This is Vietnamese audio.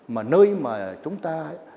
mà nơi mà chúng ta